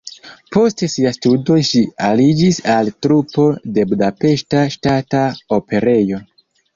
Post siaj studoj ŝi aliĝis al trupo de Budapeŝta Ŝtata Operejo.